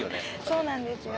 そうなんですよ。